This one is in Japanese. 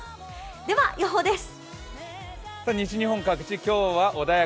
では、予報です。